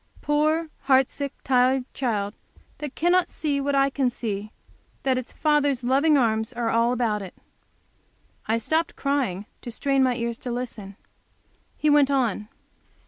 "Poor, heart sick, tired child, that cannot see what I can see, that its Father's loving arms are all about it?" I stopped crying, to strain my ears and listen. He went on.